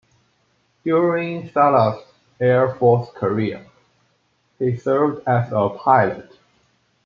During Shalah's air force career, he served as a pilot.